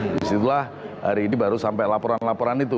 disitulah hari ini baru sampai laporan laporan itu